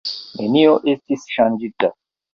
Nenio estis ŝanĝita.